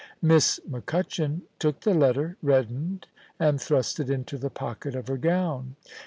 Miss MacCutchan took the letter, reddened, and thrust it into the f)Ocket of her gown.